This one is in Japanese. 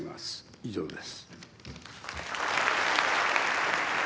以上です。